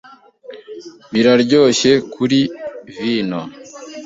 Biraryoshye kuri vino